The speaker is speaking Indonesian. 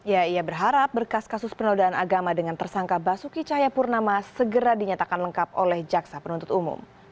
ya ia berharap berkas kasus penodaan agama dengan tersangka basuki cahayapurnama segera dinyatakan lengkap oleh jaksa penuntut umum